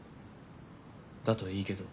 だといいけど。